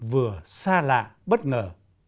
vừa xa lạ bất ngờ